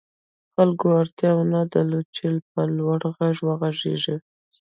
خلکو اړتیا نه درلوده چې په لوړ غږ وغږېږي